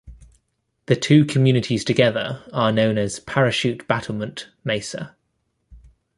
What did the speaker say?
The two communities together are known as "Parachute-Battlement Mesa".